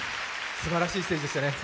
すばらしいステージでしたね。